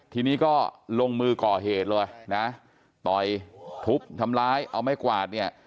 ทีนี้ก็ลงมือก่อเหตุเลยนะต่อยทุบทำร้ายเอาไม้กวาดเนี่ย